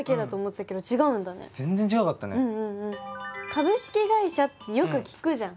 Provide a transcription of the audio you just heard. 株式会社ってよく聞くじゃん？